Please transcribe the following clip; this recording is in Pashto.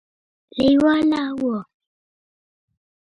لېواله وو.